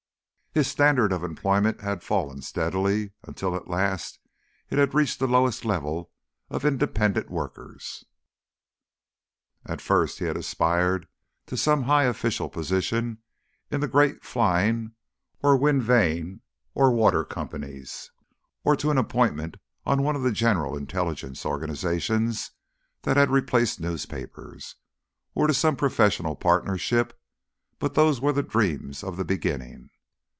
His standard of employment had fallen steadily until at last it had reached the lowest level of independent workers. At first he had aspired to some high official position in the great Flying or Wind Vane or Water Companies, or to an appointment on one of the General Intelligence Organisations that had replaced newspapers, or to some professional partnership, but those were the dreams of the beginning.